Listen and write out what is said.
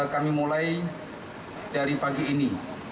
kami mulai dari pagi ini